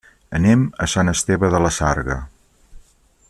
Anem a Sant Esteve de la Sarga.